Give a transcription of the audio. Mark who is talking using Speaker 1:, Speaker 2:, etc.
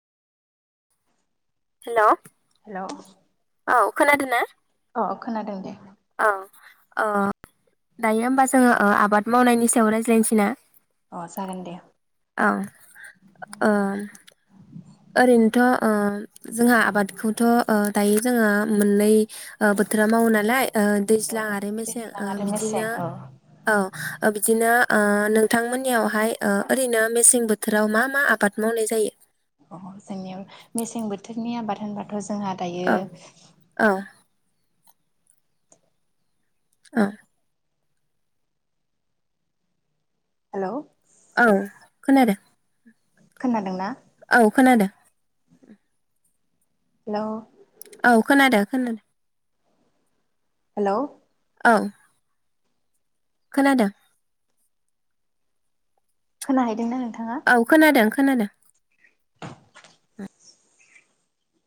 Speaker 1: हेल'
Speaker 2: hello
Speaker 1: औ खोनादोना?
Speaker 2: अ खोनादों दे।
Speaker 1: औ अ दायो होमबा जोङो आबाद मावनायनि सायाव रायज्लायनोसै ना?
Speaker 2: अ जागोन दे।
Speaker 1: अ ओ ओरैनोथ' ओ जोंहा आबादखौथ' ओ दायो जोङो मोननै ओ बोथोराव मावो नालाय ओ दैज्लां आरो मेसें
Speaker 2: दैज्लां
Speaker 1: ओ
Speaker 2: आरो मेसें
Speaker 1: बिदिनो
Speaker 2: औ
Speaker 1: औ बिदिनो ओ नोंथांमोननियावहाय ओ ओरैनो मेसें बो थोराव मा मा आबाद मावनाय जायो?
Speaker 2: अ जोंनियाव मेसें बोथोरनि आबाद होनबाथ' जोंहा दायो
Speaker 1: औ औ ओं
Speaker 2: हेलौ।
Speaker 1: औ खोनादों।
Speaker 2: खोनादों ना?
Speaker 1: औ खोनादो।
Speaker 2: हेल'
Speaker 1: औ खोनादो खोनादो।
Speaker 2: हेलौ
Speaker 1: औ खोनादों।
Speaker 2: खोनाहैदोंना नोंथाङा?
Speaker 1: औ खोनादों खोनादों।